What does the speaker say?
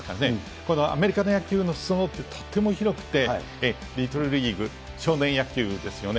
このアメリカの野球のすそ野ってとっても広くて、リトルリーグ、少年野球ですよね。